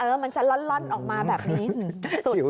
เออมันจะร่อนออกมาแบบนี้